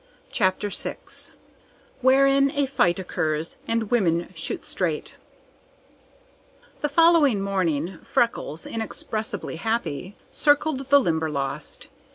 CHAPTER VI Wherein a Fight Occurs and Women Shoot Straight The following morning Freckles, inexpressibly happy, circled the Limberlost.